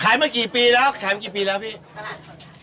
ขายมากี่ปีแล้วขายมากี่ปีแล้วพี่